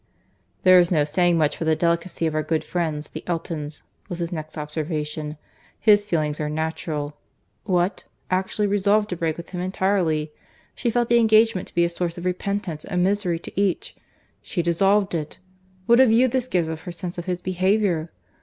"There is no saying much for the delicacy of our good friends, the Eltons," was his next observation.—"His feelings are natural.—What! actually resolve to break with him entirely!—She felt the engagement to be a source of repentance and misery to each—she dissolved it.—What a view this gives of her sense of his behaviour!